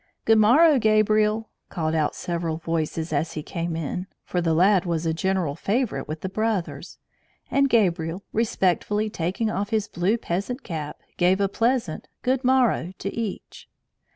"Good morrow, Gabriel," called out several voices as he came in, for the lad was a general favourite with the brothers; and Gabriel, respectfully taking off his blue peasant cap, gave a pleasant "good morrow" to each.